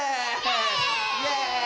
イエーイ！